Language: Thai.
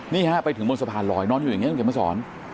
นี่ฮะไปถึงบนสะพานลอยนอนอยู่อย่างนี้คุณเขียนมาสอน